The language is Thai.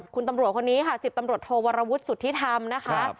คุณตำรวจคนนี้ค่ะ๑๐ตำรวจโทวรวุฒิสุธิธรรมนะคะ